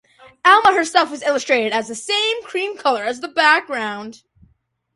Alma herself is illustrated as the same cream color as the background.